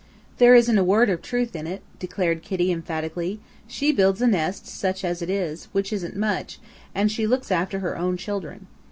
"There isn't a word of truth in it," declared Kitty emphatically. "She builds a nest, such as it is, which isn't much, and she looks after her own children.